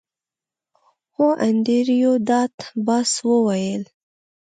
هو انډریو ډاټ باس وویل